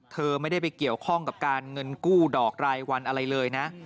เธอไม่ได้ไปเกี่ยวข้องกับการเงินกู้ดอกรายวันอะไรเลยนะ